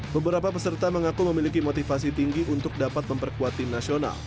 beberapa peserta mengaku memiliki motivasi tinggi untuk dapat memperkuat tim nasional